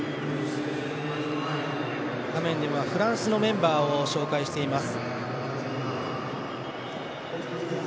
画面ではフランスのメンバーを紹介しています。